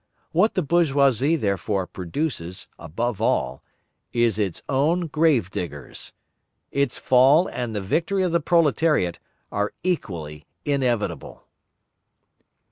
What the bourgeoisie, therefore, produces, above all, is its own grave diggers. Its fall and the victory of the proletariat are equally inevitable.